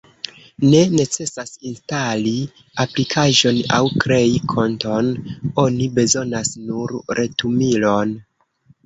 Ne necesas instali aplikaĵon aŭ krei konton, oni bezonas nur retumilon.